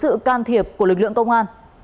các đối tượng có sự can thiệp của lực lượng công an